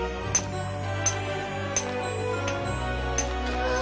うわ！